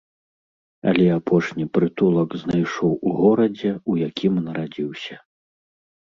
Але апошні прытулак знайшоў у горадзе, у якім нарадзіўся.